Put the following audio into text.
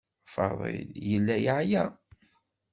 Faḍil yella yeɛya.